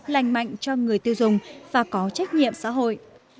lành mạnh cho người tiêu dùng và có trách nhiệm xã hội